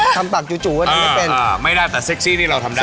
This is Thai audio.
จริงจริงว่าไม่ได้เป็นอ่าไม่ได้แต่เซ็กซี่นี่เราทำได้